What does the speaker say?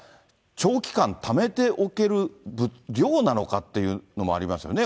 長期間ためておける量なのかっていうのもありますよね。